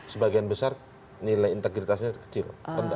sebagian besar nilai integritasnya kecil